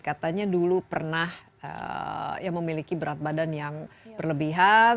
katanya dulu pernah memiliki berat badan yang berlebihan